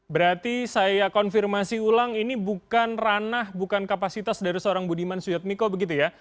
berarti saya konfirmasi ulang ini bukan ranah bukan kapasitas dari seorang budiman suyatmiko begitu ya